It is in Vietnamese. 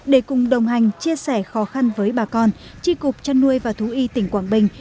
để cùng đồng hành chia sẻ khó khăn với ba con tri cục trăn nuôi và thu y tỉnh quảng bình